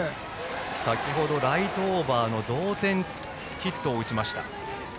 先程ライトオーバーの同点ヒットを打ちました。